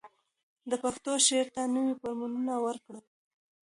ده پښتو شعر ته نوي فورمونه ورکړل